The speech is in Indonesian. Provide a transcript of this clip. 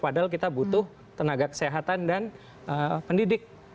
padahal kita butuh tenaga kesehatan dan pendidik